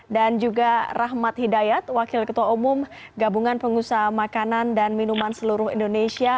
dan juga rahmat hidayat wakil ketua umum gabungan pengusaha makanan dan minuman seluruh indonesia